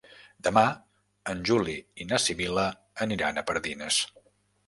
Demà en Juli i na Sibil·la aniran a Pardines.